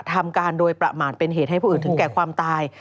ทำการโดยประมาทเป็นเหตุให้ผู้อื่นถึงแก่ความตาย